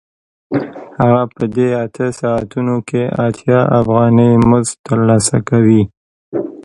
هغه په دې اته ساعتونو کې اتیا افغانۍ مزد ترلاسه کوي